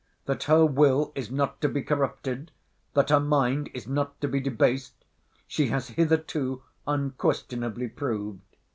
That her will is not to be corrupted, that her mind is not to be debased, she has hitherto unquestionably proved.